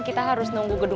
kita harus nunggu gedung